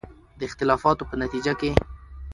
د اختلافاتو په نتیجه کې